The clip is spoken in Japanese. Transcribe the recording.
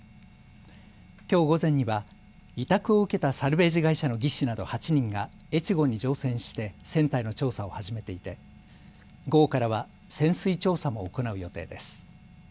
きょう午前には委託を受けたサルベージ会社の技師など８人がえちごに乗船して船体の調査を始めていて午後からは潜水調査も行う予定です。